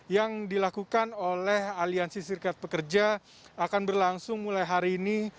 yang dilakukan oleh aliansi sirkat pekerja akan berlangsung mulai hari ini